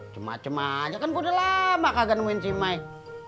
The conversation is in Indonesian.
cuma cuma aja kan gue udah lama kagak nungguin si maek